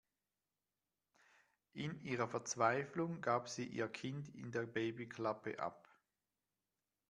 In ihrer Verzweiflung gab sie ihr Kind in der Babyklappe ab.